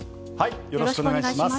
よろしくお願いします。